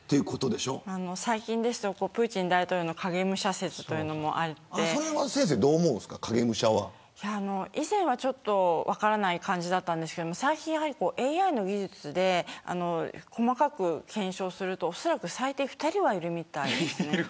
最近ですとプーチン大統領の影武者説というのもあって以前は分からない感じだったんですけど最近、ＡＩの技術で細かく検証するとおそらく最低２人はいるみたい。